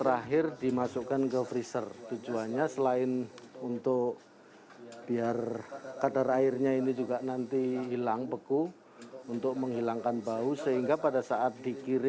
ada yang delapan puluh ada yang tujuh puluh ada yang empat puluh kalau yang kecil tiga puluh